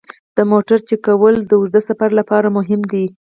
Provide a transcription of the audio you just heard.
د موټر چک کول د اوږده سفر لپاره مهم دي.